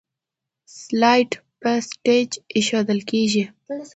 سلایډ په سټیج ایښودل کیږي.